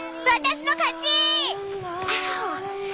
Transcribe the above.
私の勝ち！